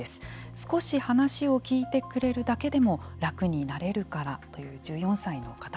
少し話を聞いてくれるだけでも楽になれるからという１４歳の方。